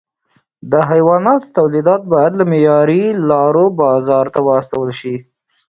د حیواناتو تولیدات باید له معیاري لارو بازار ته واستول شي.